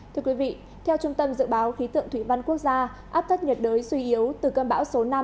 thưa quý vị theo trung tâm dự báo khí tượng thủy văn quốc gia áp thấp nhiệt đới suy yếu từ cơn bão số năm